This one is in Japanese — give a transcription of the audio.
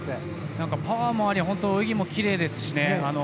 パワーもあり泳ぎもきれいですしね。